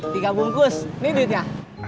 tiga bungkus ini duitnya